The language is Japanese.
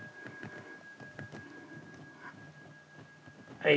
はい。